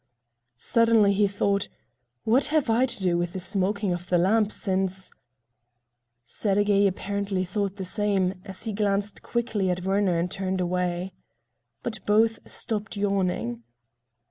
Suddenly he thought: "What have I to do with the smoking of the lamp, since——" Sergey apparently thought the same, as he glanced quickly at Werner and turned away. But both stopped yawning.